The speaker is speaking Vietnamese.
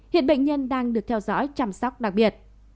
hiện bệnh nhân đang được theo dõi chăm sóc đặc biệt